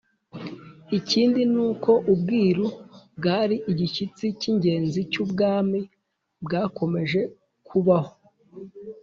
ikindi ni uko ubwiru bwari igishyitsi cy'ingenzi cy'ubwami bwakomeje kubaho.